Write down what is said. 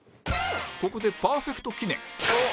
ここでパーフェクト記念